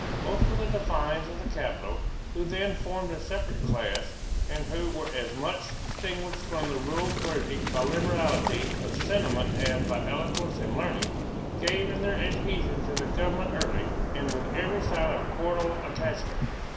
Most of the divines of the capital, who then formed a separate class, and who were as much distinguished from the rural clergy by liberality of sentiment as by eloquence and learning, gave in their adhesion to the government early, and with every sign of cordial attachment.